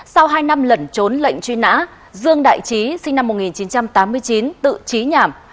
sau hai năm lẩn trốn lệnh truy nã dương đại trí sinh năm một nghìn chín trăm tám mươi chín tự trí nhảm